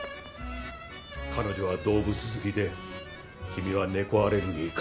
彼女は動物好きで君は猫アレルギーか。